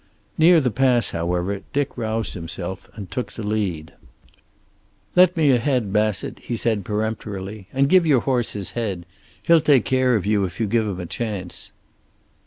Near the pass, however, Dick roused himself and took the lead. "Let me ahead, Bassett," he said peremptorily. "And give your horse his head. He'll take care of you if you give him a chance."